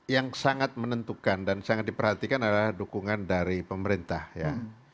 yang sangat menentukan dan sangat diperhatikan adalah dukungan dari pemerintah ya